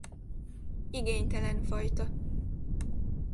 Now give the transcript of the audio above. Igénytelen fajta.